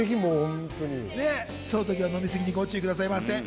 その時は飲みすぎにご注意くださいませ。